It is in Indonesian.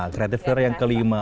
creative pruner yang kelima